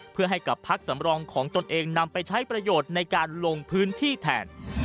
เพื่อให้กับพักสำรองของตนเองนำไปใช้ประโยชน์ในการลงพื้นที่แทน